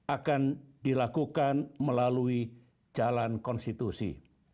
akan dilakukan melalui jalan konstitusi